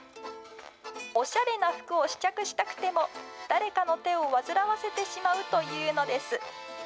オシャレな服を試着したくても、誰かの手を煩わせてしまうというのです。